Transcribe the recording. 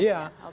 tidak dari nol